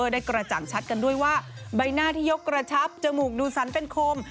กระจ่างชัดกันด้วยว่าใบหน้าที่ยกกระชับจมูกดูสันเป็นคม